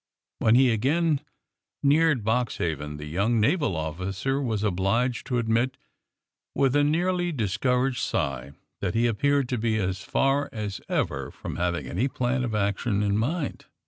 When he again neared Boxhaven the young naval officer was obliged to admit, with a nearly discouraged sigh, that he appeared to be as far as ever from having any plan of action in mind.